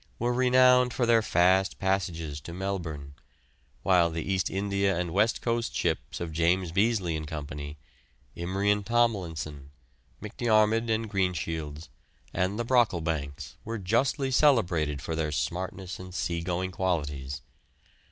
were renowned for their fast passages to Melbourne, while the East India and West Coast ships of James Beazley and Co., Imrie and Tomlinson, McDiarmid and Greenshields, and the Brocklebanks were justly celebrated for their smartness and sea going qualities.